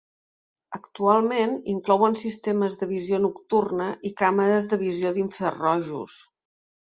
Actualment, inclouen sistemes de visió nocturna i càmeres de visió d'infrarojos.